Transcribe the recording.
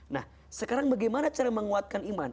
nah sekarang bagaimana cara menguatkan iman